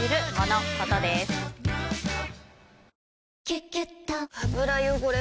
「キュキュット」油汚れ